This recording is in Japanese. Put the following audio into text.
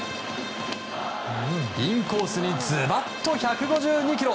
インコースにズバッと１５２キロ。